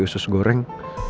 putri usus goreng